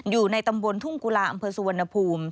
อยู่ในตำบลทุ่งกุลาอสุวรณภูมิ